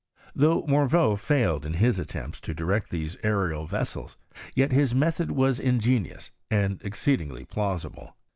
Though Morveau failed in his attempts to direct these aerial vessels, yet his method was ingenious and exceed* inf(ly plaiiHible.